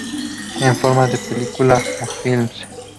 En forma de películas o films.